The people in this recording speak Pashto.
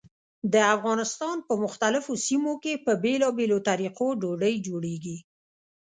د افغانستان په مختلفو سیمو کې په بېلابېلو طریقو ډوډۍ جوړېږي.